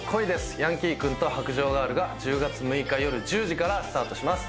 ヤンキー君と白杖ガール』が１０月６日夜１０時からスタートします。